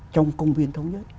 trong công viên thống nhất